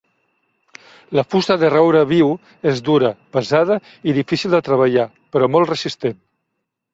La fusta de roure viu és dura, pesada i difícil de treballar, però molt resistent.